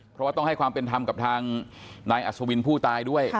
เพราะว่าต้องให้ความเป็นธรรมกับทางนายอัศวินผู้ตายด้วย